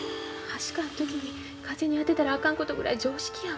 はしかの時に風に当てたらあかんことぐらい常識やんか。